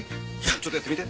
ちょっとやってみて。